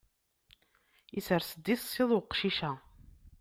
Isers-d iṣiḍ uqcic-a.